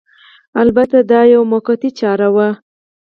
البته دا یوه موقتي چاره وه